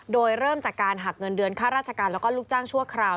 โดยเริ่มจากการหักเงินเดือนค่าราชการแล้วก็ลูกจ้างชั่วคราว